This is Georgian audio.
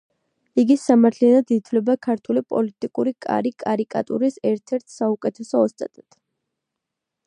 იგი სამართლიანად ითვლება ქართული პოლიტიკური კარი კარიკატურის ერთ-ერთ საუკეთესო ოსტატად.